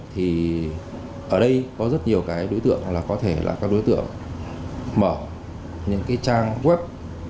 thì ở đây có rất nhiều cái đối tượng là có thể là các đối tượng mở những cái trang web